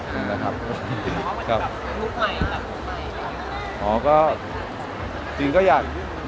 ครับขอคุณนะครับครับครูปไหมครับพูดไหมอ๋อก็จริงก็อยาก